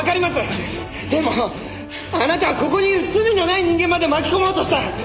でもあなたはここにいる罪のない人間まで巻き込もうとした。